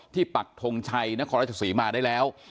ที่ปัดทงชัยนครรภาษฐศรีมาได้แล้ว